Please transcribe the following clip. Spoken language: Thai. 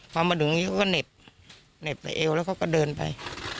พอมาถึงนี่แสบเน็บแสบเอวแล้วก็เดินไป